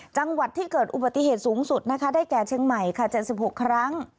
จังหวัดที่เกิดอุบัติเหตุสูงสุดนะคะได้แก่เชียงใหม่ค่ะ๗๖ครั้ง